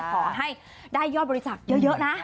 ขอให้ได้ยอดบริจาคเยอะนะ